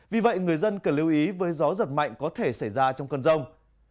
vì vậy người dân cần lưu ý với gió giật mạnh có thể xảy ra trong cơn rông